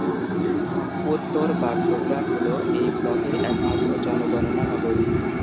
উত্তর বাগডোগরা হল এই ব্লকের একমাত্র জনগণনা নগরী।